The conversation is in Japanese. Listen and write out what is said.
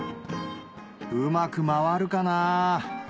うまく回るかなぁ？